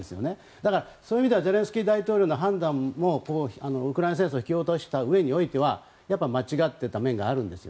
だから、そういう意味ではゼレンスキー大統領の判断もウクライナ戦争においては間違っていた面があるんです。